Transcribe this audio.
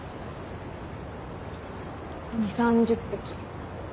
２０３０匹。